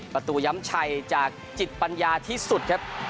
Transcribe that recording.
ประตูย้ำชัยจากจิตปัญญาที่สุดครับ